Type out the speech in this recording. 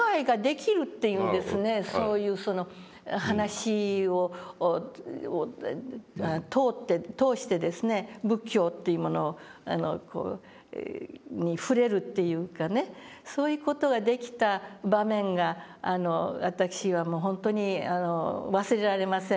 そういう話を通して仏教というものに触れるというかねそういう事ができた場面が私はもう本当に忘れられませんですね。